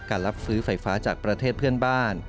รับซื้อไฟฟ้าจากประเทศเพื่อนบ้าน